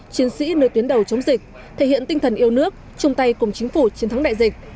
chiến sĩ nơi tuyến đầu chống dịch thể hiện tinh thần yêu nước chung tay cùng chính phủ chiến thắng đại dịch